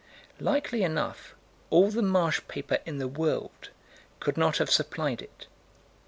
Likely enough all the marsh paper in the world could not have supplied it.